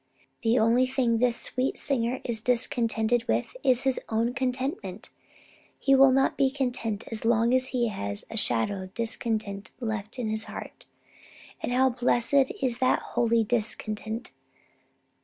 The only thing this sweet singer is discontented with is his own contentment. He will not be content as long as he has a shadow of discontent left in his heart. And how blessed is such holy discontent!